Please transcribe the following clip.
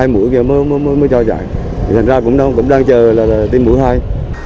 hai mũi mới cho chạy thành ra cũng đang chờ là tiêm mũi hai